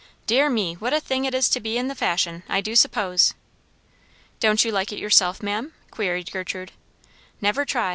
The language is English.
Dear me! what a thing it is to be in the fashion, I do suppose." "Don't you like it yourself, ma'am?" queried Gertrude. "Never try.